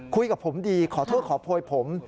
คุยกับผมดีขอโทษขอโพยผม